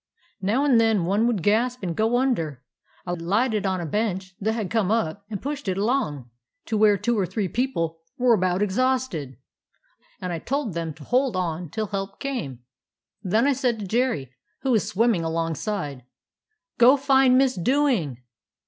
Now and then one would gasp and go under. I lighted on a bench that had come up, and pushed it along 231 DOG HEROES OF MANY LANDS to where two or three people were about ex hausted, and told them to hold on till help came. Then I said to Jerry, who was swim ming alongside; " 'Go find Miss Dewing.